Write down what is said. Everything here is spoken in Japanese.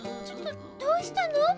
ちょっとどうしたの？